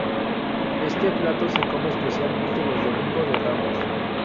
Este plato se come especialmente los Domingo de Ramos.